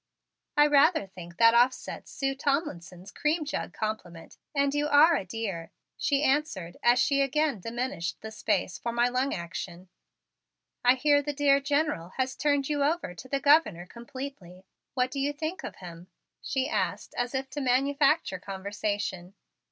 "I rather think that offsets Sue Tomlinson's 'cream jug' compliment and you are a dear," she answered as she again diminished the space for my lung action. "I hear the dear General has turned you over to the Governor completely. What do you think of him?" she asked as if to manufacture conversation.